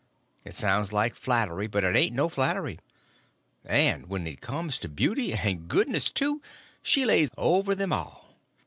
It sounds like flattery, but it ain't no flattery. And when it comes to beauty—and goodness, too—she lays over them all.